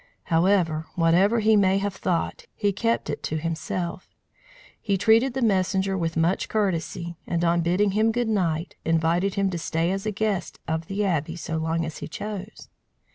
However, whatever he may have thought, he kept it to himself; he treated the messenger with much courtesy, and, on bidding him good night, invited him to stay as a guest of the Abbey so long as he chose.